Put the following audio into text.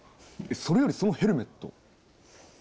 えっそれよりそのヘルメット？